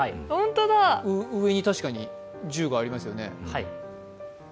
上に確かに「十」がありますよね。